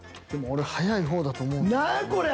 でも俺早い方だと思う。